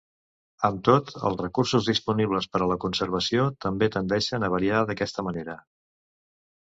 Amb tot, els recursos disponibles per a la conservació també tendeixen a variar d'aquesta manera.